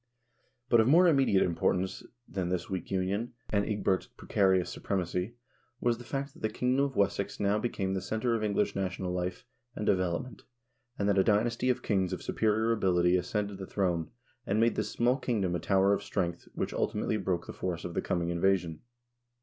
But of more immediate importance than this weak union, and Ecgbert's precarious supremacy, was the fact that the kingdom of Wessex now became the center of English national life and develop ment, and that a dynasty of kings of superior ability ascended the throne, and made this small kingdom a tower of strength which ulti mately broke the force of the coming invasion.